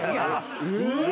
うわ！